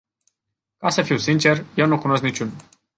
Ca să fiu sincer, eu nu cunosc niciunul.